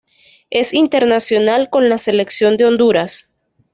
Es internacional con la selección de Honduras.